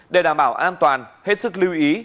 để đảm bảo an toàn hết sức lưu ý